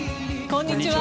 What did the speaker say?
こんにちは。